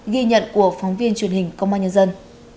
ghi nhận của phóng viên truyền hình công an nhân dân